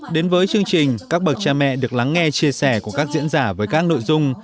đến với chương trình các bậc cha mẹ được lắng nghe chia sẻ của các diễn giả với các nội dung